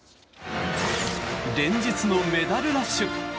連日のメダルラッシュ。